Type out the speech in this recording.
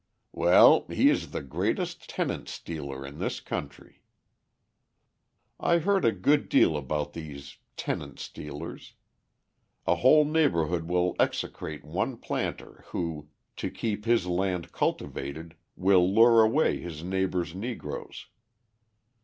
"Well, he is the greatest tenant stealer in this country." I heard a good deal about these "tenant stealers." A whole neighbourhood will execrate one planter who, to keep his land cultivated, will lure away his neighbours' Negroes.